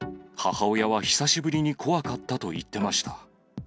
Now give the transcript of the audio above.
母親は久しぶりに怖かったと言ってました。